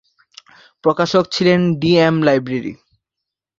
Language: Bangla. প্রকাশক ছিলেন ডি এম লাইব্রেরি।